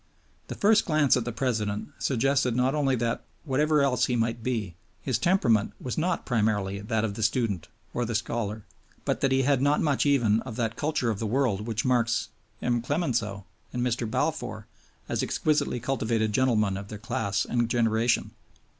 The first glance at the President suggested not only that, whatever else he might be, his temperament was not primarily that of the student or the scholar, but that he had not much even of that culture of the world which marks M. Clemenceau and Mr. Balfour as exquisitely cultivated gentlemen of their class and generation.